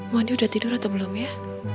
mondi udah tidur atau belum ya